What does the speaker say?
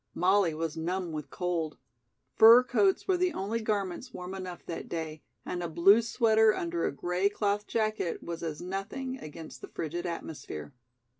Molly was numb with cold; fur coats were the only garments warm enough that day, and a blue sweater under a gray cloth jacket was as nothing against the frigid atmosphere.